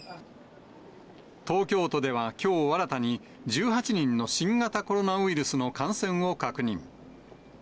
東京都ではきょう、新たに１８人の新型コロナウイルスの感染を確認。